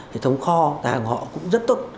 hệ thống kho tài hàng của họ cũng rất tốt